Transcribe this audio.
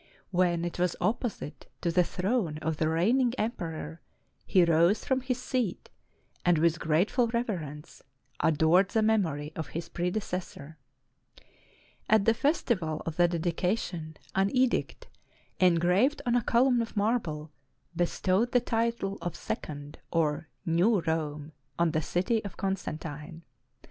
When it was opposite to the throne of the reigning emperor, he rose from his seat, and with grateful reverence, adored the memory of his predecessor. At the festival of the dedi cation, an edict, engraved on a column of marble, be stowed the title of Second or New Rome on the city of Constantine.